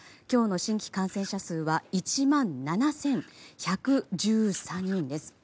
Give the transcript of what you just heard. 今日の新規感染者数は１万７１１３人です。